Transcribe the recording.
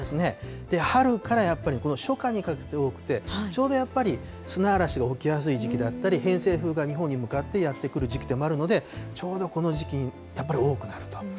春からやっぱりこの初夏にかけて多くて、ちょうどやっぱり砂嵐が起きやすい時期だったり、偏西風が日本に向かってやって来る時期となるので、ちょうどこの時期、やっぱり多くなると。